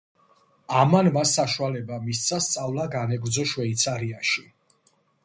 ამან მას საშუალება მისცა სწავლა განეგრძო შვეიცარიაში.